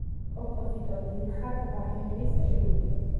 კომპოზიტორი რიხარდ ვაგნერის შვილი.